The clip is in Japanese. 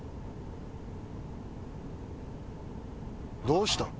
どうしたん？